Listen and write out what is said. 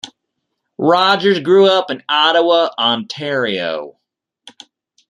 Rogers grew up in Ottawa, Ontario.